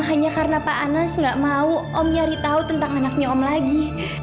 hanya karena pak anas nggak mau om nyari tahu tentang anaknya om lagi